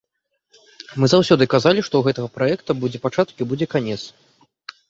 Мы заўсёды казалі, што ў гэтага праекта будзе пачатак і будзе канец.